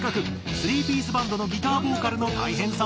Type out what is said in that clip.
３ピースバンドのギターボーカルの大変さを語る。